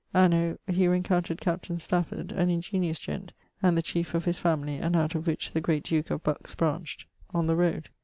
Anno ... he rencountred captain Stafford (an ingeniose gent. and the chiefe of his family, and out of which the great duke of Bucks brancht) on the roade....